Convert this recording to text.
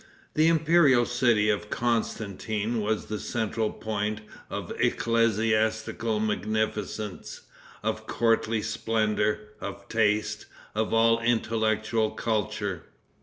The imperial city of Constantine was the central point of ecclesiastical magnificence, of courtly splendor, of taste, of all intellectual culture.